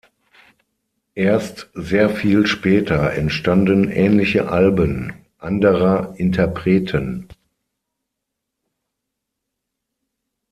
Erst sehr viel später entstanden ähnliche Alben anderer Interpreten.